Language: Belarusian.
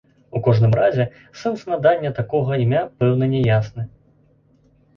У кожным разе, сэнс надання такога імя пэўна не ясны.